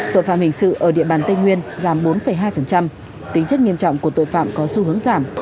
tội phạm hình sự ở địa bàn tây nguyên giảm bốn hai tính chất nghiêm trọng của tội phạm có xu hướng giảm